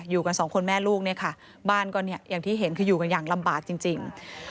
กันสองคนแม่ลูกเนี่ยค่ะบ้านก็เนี่ยอย่างที่เห็นคืออยู่กันอย่างลำบากจริง